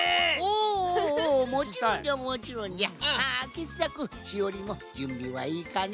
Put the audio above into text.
けっさくしおりもじゅんびはいいかな？